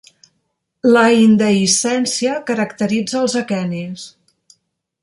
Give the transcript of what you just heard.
La indehiscència caracteritza els aquenis.